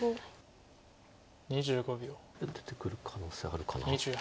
出てくる可能性あるかな。